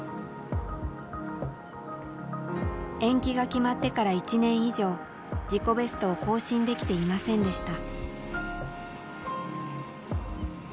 延期が決まってから１年以上自己ベストを更新できていませんでした。